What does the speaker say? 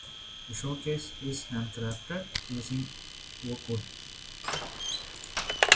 The showcase is handcrafted using oak wood.